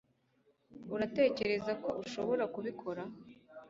Uratekereza ko ushobora kubikora